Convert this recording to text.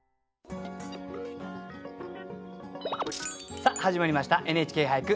さあ始まりました「ＮＨＫ俳句」。